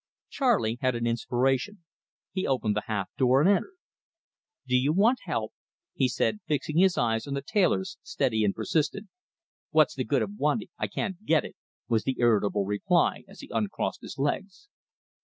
Charley had an inspiration. He opened the halfdoor, and entered. "Do you want help?" he said, fixing his eyes on the tailor's, steady and persistent. "What's the good of wanting I can't get it," was the irritable reply, as he uncrossed his legs.